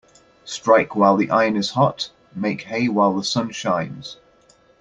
Strike while the iron is hot Make hay while the sun shines.